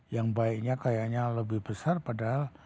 yang baiknya kayaknya lebih besar padahal